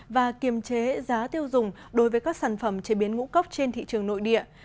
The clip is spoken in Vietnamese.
và kiềm chế giá tiêu dùng đối với các sản phẩm chế biến ngũ cốc trên thị trường nội địa